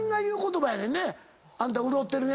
「あんた潤ってるね」